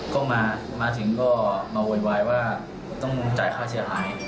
ก็มามาถึงก็มาเวลาว่าต้องจ่ายค่าเชื้ออ่าย